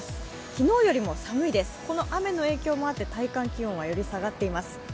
昨日よりも寒いです、この雨の影響もあって体感気温はより下がっています。